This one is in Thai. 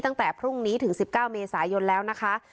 ตั้งแต่พรุ่งนี้ถึงสิบเก้าเมสายนแล้วนะคะ